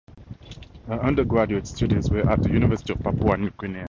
Her undergraduate studies were at the University of Papua New Guinea.